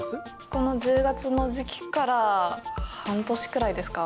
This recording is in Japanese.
この１０月の時期から半年くらいですか？